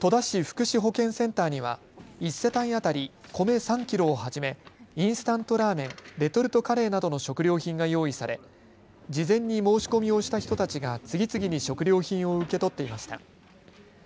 戸田市福祉保健センターには１世帯当たり米３キロをはじめインスタントラーメン、レトルトカレーなどの食料品が用意され事前に申し込みをした人たちが次々に食料品を受け取っていました。